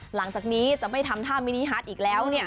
หลังจากนี้จะไม่ทำท่ามินิฮาร์ดอีกแล้ว